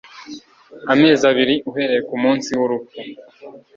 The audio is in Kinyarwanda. amezi abiri uhereye ku munsi w'urupfu